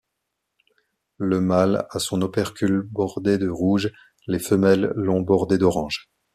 Le mâle a son opercule bordé de rouge; les femelles l'ont bordé d'orange.